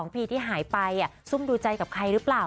พี่ที่หายไปซุ่มดูใจกับใครหรือเปล่า